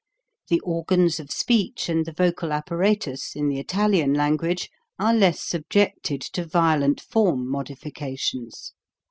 The organs of speech and the vocal apparatus, in the Italian language, are less subjected to violent form modifications.